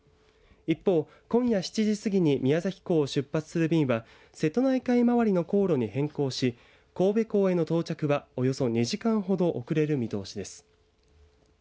一方、今夜７時過ぎに宮崎港を出発する便は瀬戸内海回りの航路に変更し神戸港への到着はおよそ２時間ほど遅れる見通しです。